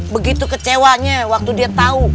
begitu kecewanya waktu dia tahu